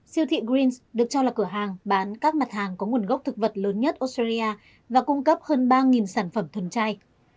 siêu thị greens được cho là cửa hàng bán các mặt hàng có nguồn gốc thực vật lớn nhất australia và cung cấp hơn ba sản phẩm thuần chay